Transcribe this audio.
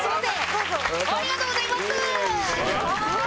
ありがとうございます！